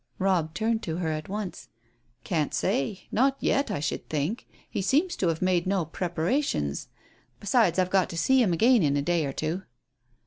Robb turned to her at once. "Can't say. Not yet, I should think. He seems to have made no preparations. Besides, I've got to see him again in a day or two."